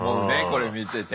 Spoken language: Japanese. これ見てて。